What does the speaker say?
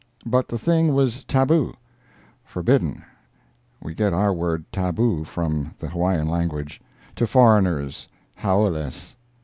But the thing was tabu (forbidden—we get our word "taboo" from the Hawaiian language) to foreigners—haoles.